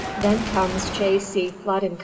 Then comes J. C. Flood & Co.